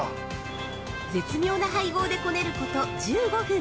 ◆絶妙な配合でこねること１５分！